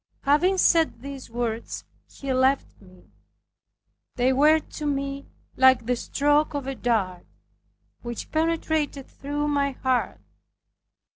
Having said these words, he left me. They were to me like the stroke of a dart, which penetrated through my heart.